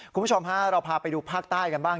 คุณผู้ชมฮะเราพาไปดูภาคใต้กันบ้าง